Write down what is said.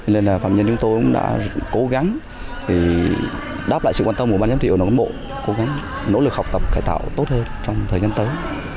nên phạm nhân chúng tôi cũng đã cố gắng đáp lại sự quan tâm của ban giám thị ở đồng bộ cố gắng nỗ lực học tập khai tạo tốt hơn trong thời gian tới